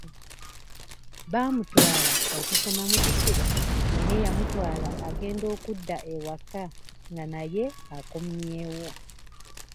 Baamutwala okusoma mu kisulo naye eyamutwala agenda okudda ewaka nga naye akomyewo.